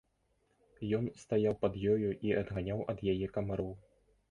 Ён стаяў пад ёю і адганяў ад яе камароў.